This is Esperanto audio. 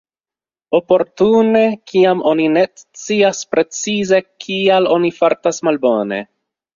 Oportune kiam oni ne scias precize kial oni fartas malbone.